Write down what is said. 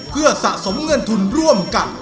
เพื่อสะสมเงินทุนร่วมกัน